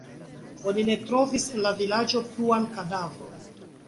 Oni ne trovis en la vilaĝo pluan kadavron.